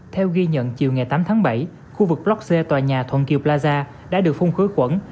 theo ghi nhận chiều ngày tám tháng bảy khu vực block c tòa nhà thuận kiều plaza đã được phun khối quẩn